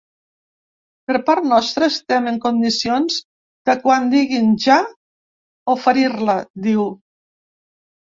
Per part nostra estem en condicions de quan diguin ‘ja’, oferir-la’, diu.